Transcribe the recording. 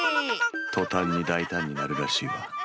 とたんに大胆になるらしいわ。